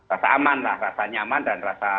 rasa aman lah rasa nyaman dan rasa